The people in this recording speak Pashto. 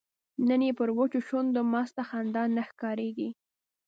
نن یې پر وچو شونډو مسته خندا نه ښکاریږي